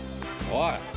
おい？